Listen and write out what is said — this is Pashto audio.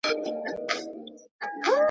په سیالانو ګاونډیانو کي پاچا وو ,